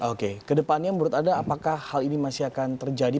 oke kedepannya menurut anda apakah hal ini masih akan terjadi